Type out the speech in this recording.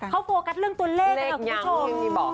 เขาโฟกัสเรื่องตัวเลขนะคะคุณผู้ชม